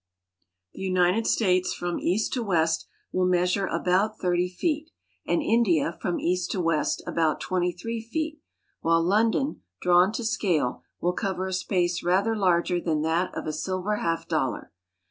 The United States, from east to west, will measure about 30 feet, and India, from east to west, about 23 feet, while London, drawn to scale, will cover a space rather larger than that of a silver half dollar.